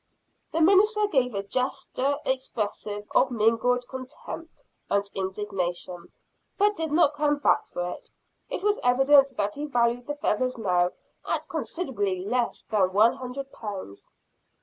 The minister gave a gesture expressive of mingled contempt and indignation but did not come back for it. It was evident that he valued the feathers now at considerably less than one hundred pounds.